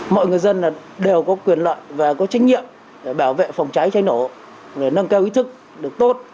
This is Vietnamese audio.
mọi người dân đều có quyền lợi và có trách nhiệm để bảo vệ phòng cháy cháy nổ để nâng cao ý thức được tốt